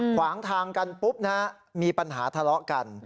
ขวางทางกันปุ๊บนะฮะมีปัญหาทะเลาะกัน